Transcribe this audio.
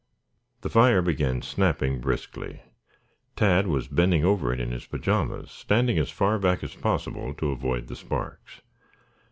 The fire began snapping briskly. Tad was bending over it in his pajamas, standing as far back as possible to avoid the sparks.